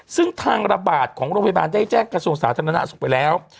ซึ่งทางระบาดของโรงพยาบาลได้แจ้งกระทรวงสาธารณสุขไปแล้ว